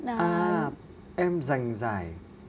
à em giành giải